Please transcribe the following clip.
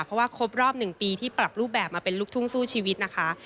เพราะว่าครบรอบ๑ปีที่ปรับรูปแบบมาเป็นลูกทุ่งสู้ชีวิตนะคะ